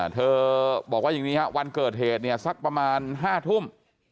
เธอบอกว่าอย่างนี้วันเกิดเหตุสักประมาณ๕ทุ่ม